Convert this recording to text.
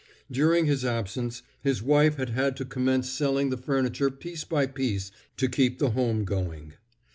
During his absence, his wife had had to commence selling the furniture piece by piece to keep the home going.